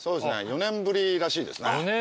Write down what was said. ４年ぶりらしいですね。